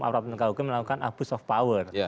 aparat penggauhukum melakukan abuse of power